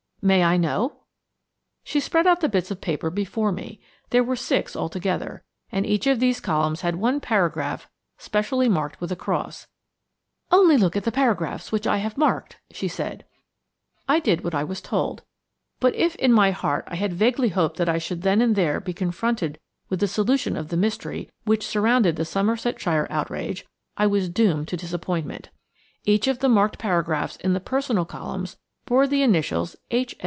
"May I know?" She spread out the bits of paper before me. There were six altogether, and each of these columns had one paragraph specially marked with a cross. "Only look at the paragraphs which I have marked," she said. I did what I was told. But if in my heart I had vaguely hoped that I should then and there be confronted with the solution of the mystery which surrounded the Somersetshire outrage, I was doomed to disappointment. Each of the marked paragraphs in the "Personal" columns bore the initials H.